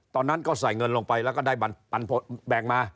ตอนนั้นก็ใส่เงินลงไปแล้วก็ได้แบ่งมา